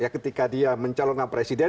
ketika dia mencalonkan presiden